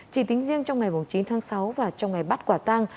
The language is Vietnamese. chỉ tính riêng trong ngày chín tháng sáu và trong ngày bắt quả tăng